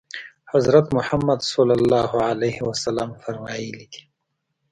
حضرت محمد صلی الله علیه وسلم فرمایلي دي.